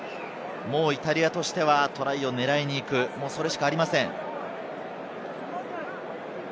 イタリアとしてはトライを狙いに行く、それしかありません。